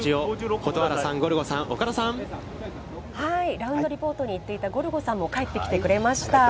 ラウンドリポートに行っていたゴルゴさんも帰ってきました。